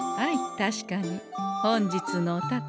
確かに本日のお宝